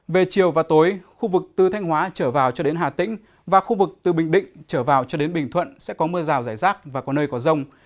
về chiều và tối khu vực từ thanh hóa trở vào cho đến hà tĩnh và khu vực từ bình định trở vào cho đến bình thuận sẽ có mưa rào rải rác và có nơi có rông